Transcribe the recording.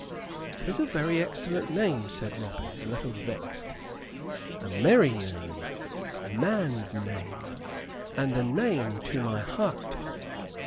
"'Tis a very excellent name," said Robin, a little vexed. "A merry name, a man's name, and a name to my heart!